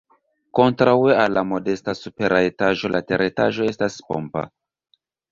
Kontraŭe al la modesta supera etaĝo la teretaĝo estas pompa.